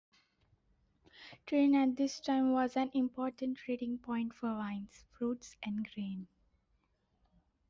Trani at this time was an important trading point for wines, fruits and grain.